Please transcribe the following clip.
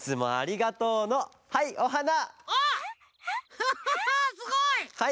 フハハすごい！